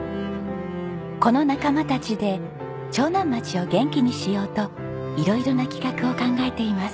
この仲間たちで長南町を元気にしようといろいろな企画を考えています。